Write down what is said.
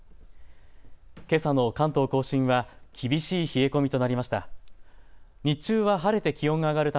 けさの関東甲信は厳しい冷え込みとなりました。